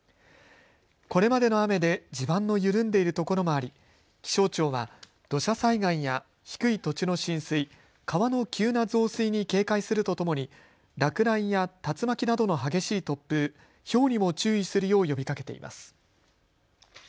これまでの雨で地盤の緩んでいる所もあり気象庁は土砂災害や低い土地の浸水、川の急な増水に警戒するとともに落雷や竜巻などの激しい突風、ひょうにも注意するよう呼びかけています。